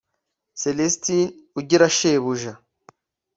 Celestin Ugirashebuja